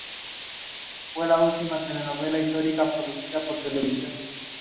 This experience of tragedy inspired her to write poetry.